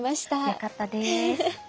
よかったです。